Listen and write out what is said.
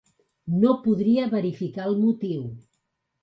No podria verificar el motiu.